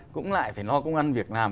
cũng lại phải lo công an việt nam